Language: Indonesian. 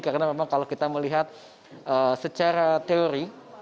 karena memang kalau kita melihat secara teori